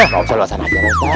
enggak usah lewat sana aja rota